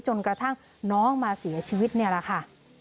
จนกระทั่งน้องมาเสียชีวิตนี่แหละค่ะ